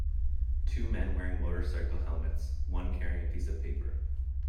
Two men wearing motorcycle helmets, one carrying a piece of paper.